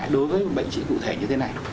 còn quay lại đối với bệnh trí cụ thể như thế này